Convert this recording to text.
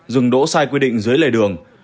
rừng đỗ sai quy định dưới lề đường